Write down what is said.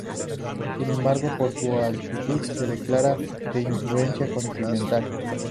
Sin embargo, por su altitud, se declara de influencia continental.